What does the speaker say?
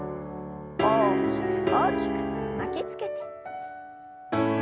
大きく大きく巻きつけて。